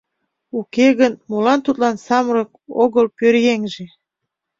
Уке гын, молан тудлан самырык огыл пӧръеҥже?